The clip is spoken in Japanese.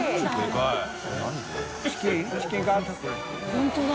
本当だ。